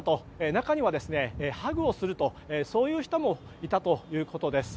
中にはハグをするとそういう人もいたということです。